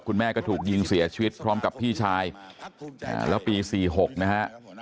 คุณแม่ก็ถูกยิงเสียชีวิตพร้อมกับพี่ชายแล้วปี๔๖นะฮะ